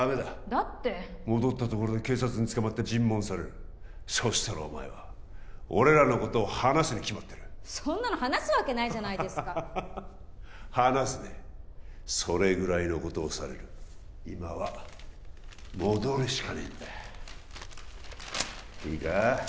だって戻ったところで警察に捕まって尋問されるそしたらお前は俺らのことを話すに決まってるそんなの話すわけないじゃないですか話すねそれぐらいのことをされる今は戻るしかねえんだいいか